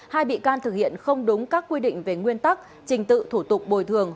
hai bị can thực hiện không đúng các quy định về nguyên tắc trình tự thủ tục bồi thường